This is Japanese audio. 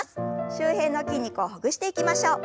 周辺の筋肉をほぐしていきましょう。